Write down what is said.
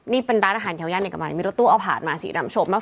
นี่เป็นร้านอาหารแถวย่านเนี่ยก็มายมีรถตู้เอาผาดมาสีดำโฉบมา